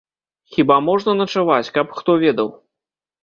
Хіба можна начаваць, каб хто ведаў!